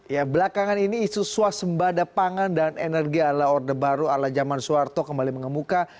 ya belakangan ini isu swasembada pangan dan energi ala orde baru ala zaman soeharto kembali mengemuka